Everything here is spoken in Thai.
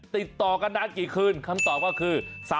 ติดต่อกันนานกี่คืนคำตอบก็คือ